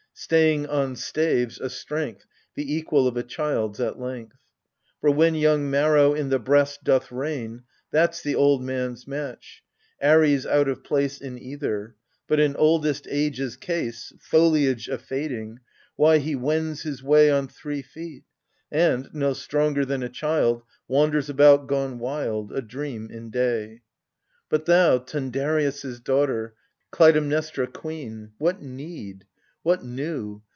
Staying on staves a strength The equal of a child's at length. For when young marrow in the breast doth reign, That's the old man's match, — Ares out of place In either : but in oldest age's case. Foliage a fading, why, he wends his way On three feet, and, no stronger than a child, Wanders about gone wild, A dream in day. AGAMEMNON. But thou, Tundareus' daughter, Klutaimnestra queen. What need ? What new